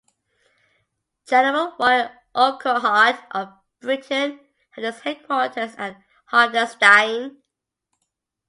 General Roy Urquhart of Britain had his headquarters at Hartenstein.